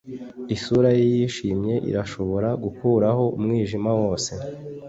isura ye yishimye irashobora gukuraho umwijima wose